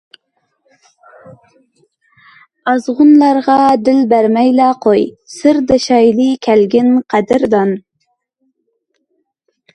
ئازغۇنلارغا دىل بەرمەيلا قوي، سىردىشايلى كەلگىن قەدىردان.